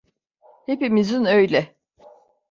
Hepimizin öyle.